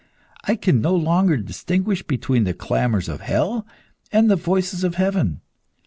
I can no longer distinguish between the clamours of hell and the voices of heaven.